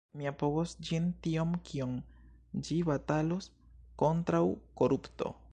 Mi apogos ĝin tiom kiom ĝi batalos kontraŭ korupto.